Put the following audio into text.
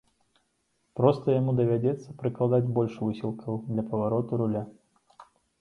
Проста яму давядзецца прыкладаць больш высілкаў для павароту руля.